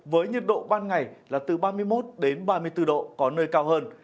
với nhiệt độ ban ngày là từ ba mươi một đến ba mươi bốn độ có nơi cao hơn